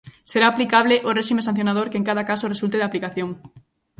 Será aplicable o réxime sancionador que en cada caso resulte de aplicación.